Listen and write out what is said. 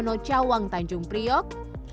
tol yono cawang tanjung priok